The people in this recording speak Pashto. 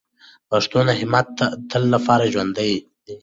د پښتنو همت د تل لپاره ژوندی دی.